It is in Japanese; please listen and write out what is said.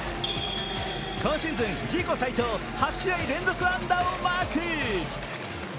今シーズン、自己最長８試合連続安打をマーク。